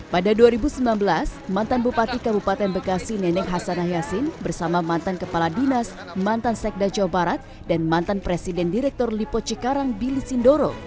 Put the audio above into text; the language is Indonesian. pada dua ribu sembilan belas mantan bupati kabupaten bekasi neneng hasanah yassin bersama mantan kepala dinas mantan sekda jawa barat dan mantan presiden direktur lipo cikarang billy sindoro